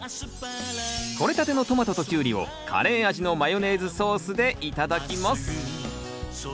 とれたてのトマトとキュウリをカレー味のマヨネーズソースで頂きます